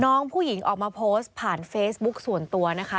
น้องผู้หญิงออกมาโพสต์ผ่านเฟซบุ๊คส่วนตัวนะคะ